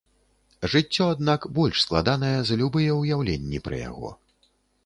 Жыццё, аднак, больш складанае за любыя ўяўленні пра яго.